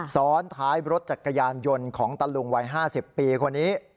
ซ้อนท้ายรถจักรยานยนต์ของตะลุงวัย๕๐ปีคนนี้